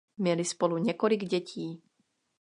Měli spolu několik dětí.